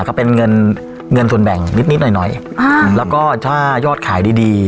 ก็เป็นเงินเงินส่วนแบ่งนิดนิดหน่อยหน่อยอ่าแล้วก็ถ้ายอดขายดีดี